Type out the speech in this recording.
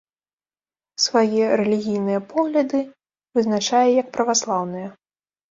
Свае рэлігійныя погляды вызначае як праваслаўныя.